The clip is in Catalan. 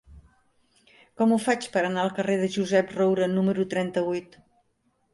Com ho faig per anar al carrer de Josep Roura número trenta-vuit?